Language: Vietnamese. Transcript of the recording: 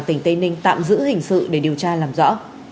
tỉnh tây ninh tạm giữ hình sự để điều tra làm rõ